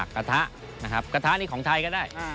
กระทะนะครับกระทะนี่ของไทยก็ได้